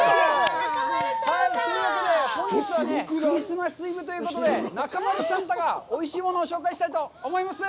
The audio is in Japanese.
きょうはクリスマスイブということで、中丸サンタがおいしいものを紹介したいと思います！